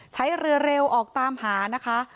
ใช้เร็วออกตามหานะคะ